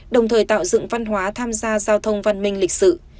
đồng thời tạo dựng văn hóa tham gia giao thông văn minh lịch sự